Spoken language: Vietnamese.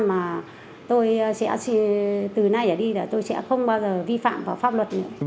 mà tôi sẽ từ nay ở đi là tôi sẽ không bao giờ vi phạm vào pháp luật nữa